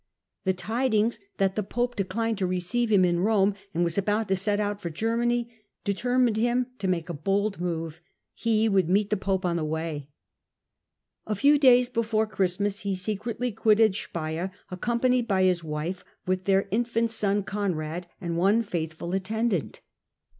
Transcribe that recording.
The tidings that the pope declined to receive him in Rome, and was about to set out for Ger many, determined him to make a bold move : he woq]^ meet the pope on the way. '•*' A few days before Christmas he secretly quitted Speier, accompanied by his wife, with her infant son Conrad, and one faithful attendant.